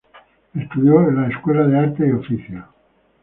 Estudió en la escuela de artes y oficios.